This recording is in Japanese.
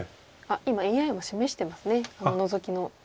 今ＡＩも示してますねノゾキの。